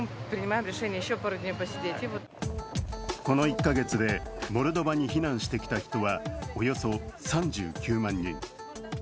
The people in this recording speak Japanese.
この１カ月でモルドバに避難してきた人はおよそ３９万人。